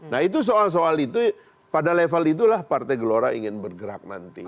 nah itu soal soal itu pada level itulah partai gelora ingin bergerak nanti